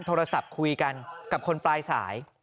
โทรศัพท์คุยกันกับคนปลายสาย